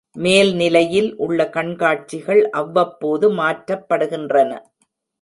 மேல்நிலையில் உள்ள கண்காட்சிகள் அவ்வப்போது மாற்றப்படுகின்றன.